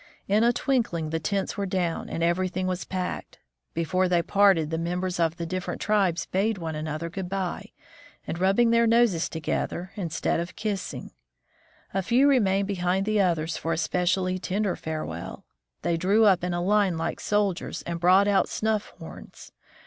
In a twinkling the tents were down and everything was packed. Before they parted, the mem bers of the different tribes bade one another good by, rub bing their noses together, ^instead of kissing. A few remained behind the others for a specially tender farewell. They drew up in a line like soldiers, and brought out snuff horns.